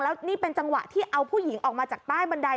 แล้วนี่เป็นจังหวะที่เอาผู้หญิงออกมาจากใต้บันได